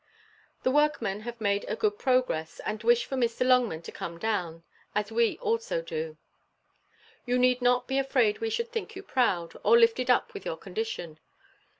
The workmen have made a good progress, and wish for Mr. Longman to come down; as we also do. You need not be afraid we should think you proud, or lifted up with your condition.